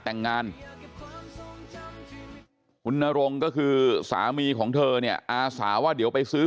แต่งงานคุณนรงก็คือสามีของเธอเนี่ยอาสาว่าเดี๋ยวไปซื้อ